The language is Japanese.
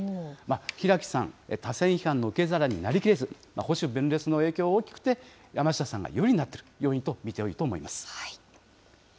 平木さん、多選批判の受け皿になりきれず、保守分裂の影響は大きくて、山下さんが有利になっている要因となっていると思います。